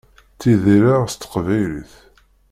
Ttidireɣ s teqbaylit.